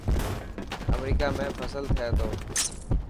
امريڪا ۾ فصل ٿي ٿو؟